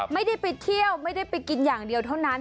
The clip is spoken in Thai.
ไม่ได้ไปเที่ยวไม่ได้ไปกินอย่างเดียวเท่านั้น